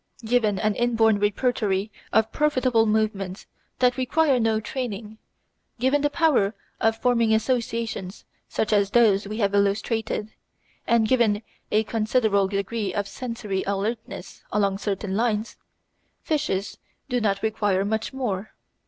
Given an inborn repertory of profitable movements that require no training, given the power of forming associations such as those we have illustrated, and given a considerable degree of sensory alertness along certain lines, fishes do not require much more.